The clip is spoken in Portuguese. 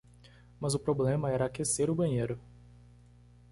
Mas o problema era aquecer o banheiro.